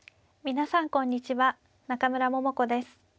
皆さんこんにちは中村桃子です。